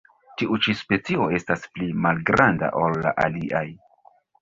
Tiu ĉi specio estas pli malgranda ol la aliaj.